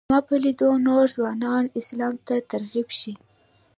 زما په لیدلو نور ځوانان اسلام ته ترغیب شي.